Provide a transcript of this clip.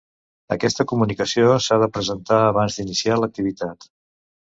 Aquesta comunicació s'ha de presentar abans d'iniciar l'activitat.